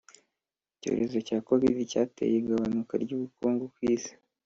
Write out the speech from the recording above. icyorezo cya covid cyateye igabanuka ryubukungu kwisi